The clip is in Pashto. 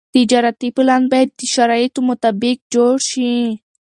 تجارتي پلان باید د شرایطو مطابق جوړ شي.